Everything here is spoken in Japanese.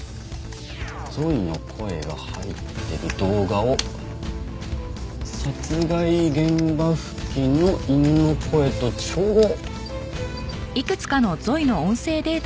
ゾイの声が入ってる動画を殺害現場付近の犬の声と照合！